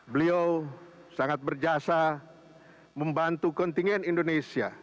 beliau sangat berjasa membantu kontingen indonesia